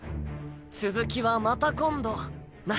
続きはまた今度な。